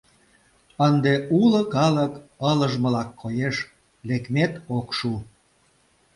Ынде уло калык ылыжмылак коеш, лекмет ок шу.